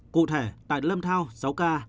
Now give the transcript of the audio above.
cụ thể tại lâm thao sáu ca